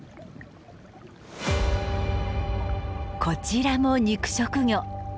こちらも肉食魚。